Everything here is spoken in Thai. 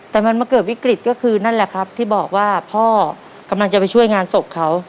แต่มันมาเกิดวิกฤตก็คือนั่นแหละครับที่บอกว่าพ่อกำลังจะไปช่วยงานศพเขา